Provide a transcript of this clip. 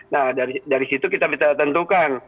nah dari situ kita bisa tentukan